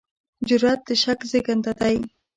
جرئت د شک زېږنده دی.